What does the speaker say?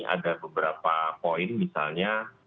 ada beberapa poin misalnya